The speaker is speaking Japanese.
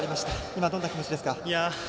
今、どんな気持ちですか？